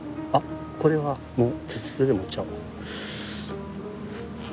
これはもう手で持っちゃうか。